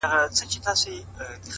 څه مسته نسه مي پـــه وجود كي ده-